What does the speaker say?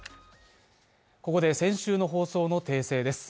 ここで先週の放送の訂正です。